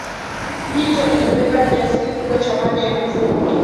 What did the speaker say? Mito inabeba kiasi kikubwa cha maji ya mvua